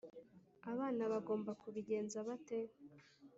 abana bagombaga kubigenza bate